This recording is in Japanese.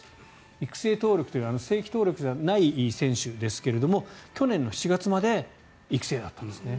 育成登録という正規登録じゃない選手ですけれども去年の７月まで育成だったんですね。